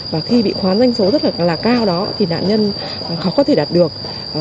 và khi bị khoán doanh số rất là cao đó thì nạn nhân khó có thể đạt được